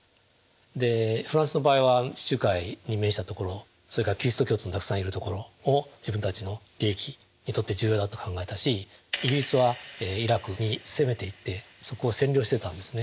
でフランスの場合は地中海に面した所それからキリスト教徒のたくさんいる所を自分たちの利益にとって重要だと考えたしイギリスはイラクに攻めていってそこを占領してたんですね。